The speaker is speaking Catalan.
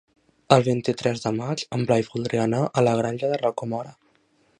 El vint-i-tres de maig en Blai voldria anar a la Granja de Rocamora.